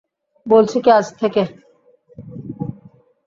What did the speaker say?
বলছি কি আজ থেকে?